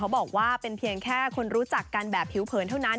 บอกว่าเป็นเพียงแค่คนรู้จักกันแบบผิวเผินเท่านั้น